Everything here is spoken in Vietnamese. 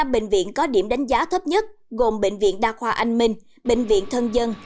năm bệnh viện có điểm đánh giá thấp nhất gồm bệnh viện đa khoa anh minh bệnh viện thân dân